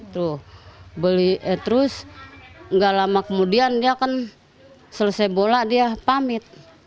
terus gak lama kemudian dia kan selesai bola dia pamit